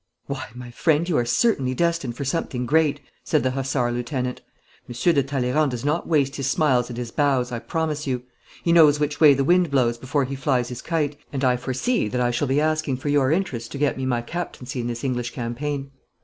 'Why, my friend, you are certainly destined for something great,' said the hussar lieutenant. 'Monsieur de Talleyrand does not waste his smiles and his bows, I promise you. He knows which way the wind blows before he flies his kite, and I foresee that I shall be asking for your interest to get me my captaincy in this English campaign.